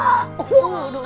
aduh udah berat